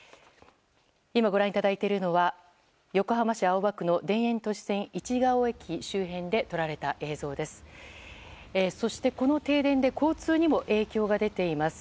今ご覧いただいているのは横浜市青葉区の田園都市線市が尾駅周辺で撮られた映像です。